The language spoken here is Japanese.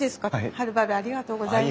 はるばるありがとうございます。